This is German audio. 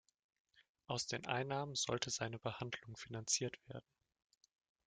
Aus den Einnahmen sollte seine Behandlung finanziert werden.